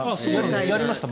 やりました、前。